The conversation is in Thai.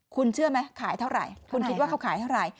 คุณเชื่อไหมขายเท่าไหร่คุณคิดว่าเขาขายเท่าไหร่